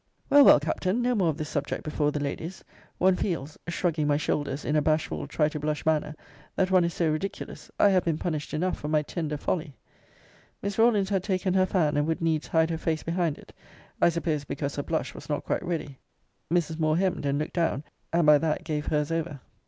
Well, well, Captain, no more of this subject before the ladies. One feels [shrugging my shoulders in a bashful try to blush manner] that one is so ridiculous I have been punished enough for my tender folly. Miss Rawlins had taken her fan, and would needs hide her face behind it I suppose because her blush was not quite ready. Mrs. Moore hemmed, and looked down; and by that gave her's over.